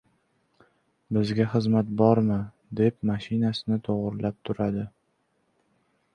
«Bizga xizmat bormi?» deb mashinasini to‘g‘rilab turadi.